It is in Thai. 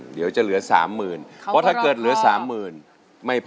หยุดครับ